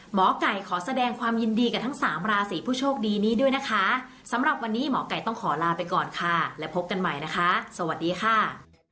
หมอไก่ขอแสดงความยินดีกับทั้งสามราศีผู้โชคดีนี้ด้วยนะคะสำหรับวันนี้หมอไก่ต้องขอลาไปก่อนค่ะและพบกันใหม่นะคะสวัสดีค่ะ